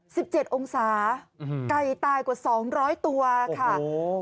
สิบเจ็ดองศาอืมไก่ตายกว่าสองร้อยตัวค่ะโอ้